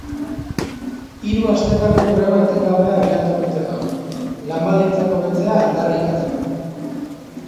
Hiru astetako greba etengabea abiatu dute gaur, lan-baldintzak hobetzea aldarrikatzeko.